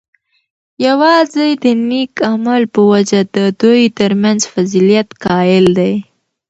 یواځی د نیک عمل په وجه د دوی ترمنځ فضیلت قایل دی،